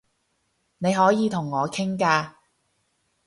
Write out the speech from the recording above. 你可以同我傾㗎